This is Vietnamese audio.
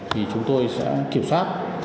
thì chúng tôi sẽ kiểm soát